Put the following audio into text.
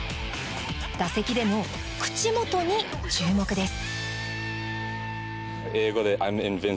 打席での口元に注目です。